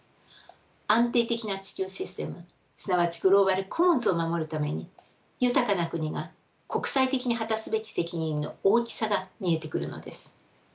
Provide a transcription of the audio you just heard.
安定的な地球システムすなわちグローバル・コモンズを守るために豊かな国が国際的に果たすべき責任の大きさが見えてくるのです。